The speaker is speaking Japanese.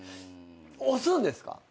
おすんですか？